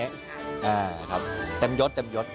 อ่าครับเต็มยดเต็มยด